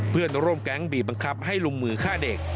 เพื่อนร่วมแก๊งบีบบังคับให้ลงมือฆ่าเด็ก